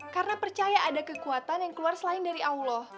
karena percaya ada kekuatan yang keluar selain dari allah